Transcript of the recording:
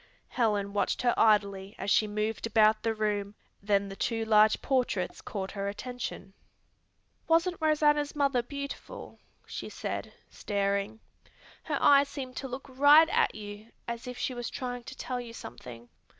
Helen watched her idly as she moved about the room, then the two large portraits caught her attention. "Wasn't Rosanna's mother beautiful?" she said, staring. "Her eyes seem to look right at you as if she was trying to tell you something."